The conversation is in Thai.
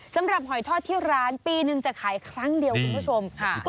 หอยทอดที่ร้านปีนึงจะขายครั้งเดียวคุณผู้ชม